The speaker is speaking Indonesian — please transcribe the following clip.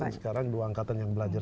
sekarang dua angkatan yang belajar